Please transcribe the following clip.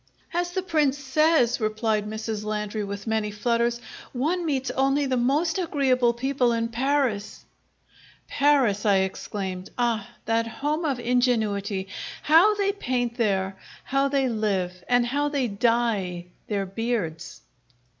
"As the Prince says," replied Mrs. Landry, with many flutters, "one meets only the most agreeable people in Paris!" "Paris!" I exclaimed. "Ah, that home of ingenuity! How they paint there! How they live, and how they dye their beards!"